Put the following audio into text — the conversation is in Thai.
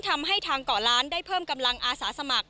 ทำให้ทางเกาะล้านได้เพิ่มกำลังอาสาสมัคร